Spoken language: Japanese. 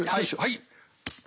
はい。